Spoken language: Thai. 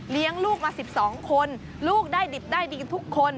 เลี้ยงลูกมา๑๒คนลูกได้ดิบได้ดีทุกคน